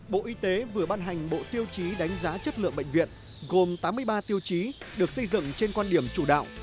bộ y tế vừa ban hành bộ tiêu chí đánh giá chất lượng bệnh viện gồm tám mươi ba tiêu chí được xây dựng trên quan điểm chủ đạo